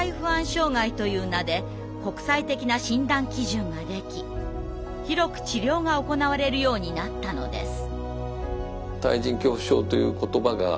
障害という名で国際的な診断基準ができ広く治療が行われるようになったのです。